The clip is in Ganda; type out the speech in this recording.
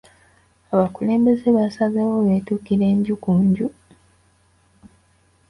Abakulembeze baasazeewo beetuukire nju ku nju.